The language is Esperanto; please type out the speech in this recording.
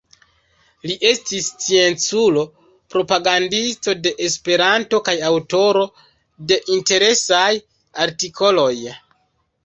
Li estis scienculo, propagandisto de Esperanto kaj aŭtoro de interesaj artikoloj.